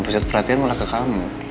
riset perhatian malah ke kamu